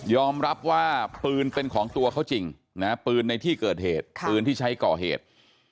รับว่าปืนเป็นของตัวเขาจริงนะปืนในที่เกิดเหตุปืนที่ใช้ก่อเหตุ